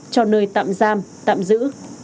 cho nơi tạm giam tạm giữ